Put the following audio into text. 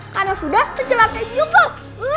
karena sudah menjelatai biongkoh